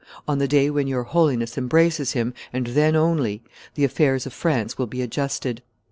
On the day when your Holiness embraces him, and then only, the affairs of France will be adjusted.